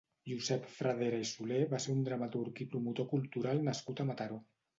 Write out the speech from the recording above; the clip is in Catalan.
Josep Fradera i Soler va ser un dramaturg i promotor cultural nascut a Mataró.